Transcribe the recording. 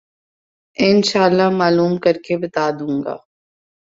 ان شاءاللہ معلوم کر کے بتا دوں گا۔